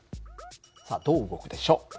さあどう動くでしょう？